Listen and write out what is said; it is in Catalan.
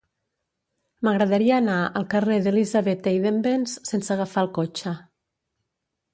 M'agradaria anar al carrer d'Elisabeth Eidenbenz sense agafar el cotxe.